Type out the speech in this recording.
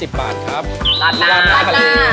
๕๘๐บาทครับร้านน้าู้